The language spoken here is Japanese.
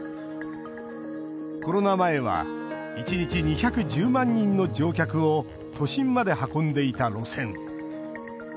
コロナ前は１日２１０万人の乗客を都心まで運んでいた路線。